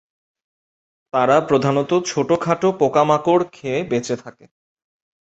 তারা প্রধানত ছোটো খাটো পোকামাকড় খেয়ে বেচে থাকে।